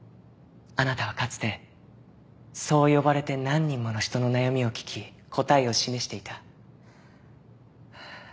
あなたはかつてそう呼ばれて何人もの人の悩みを聞き答えを示していた。